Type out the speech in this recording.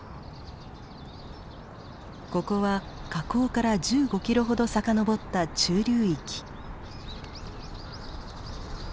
ここは河口から１５キロほど遡った中流域。